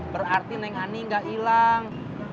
berarti neng ane gak hilang